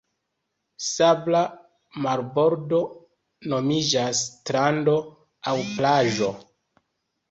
Sabla marbordo nomiĝas strando aŭ plaĝo.